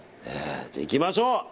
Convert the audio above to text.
じゃあいきましょう。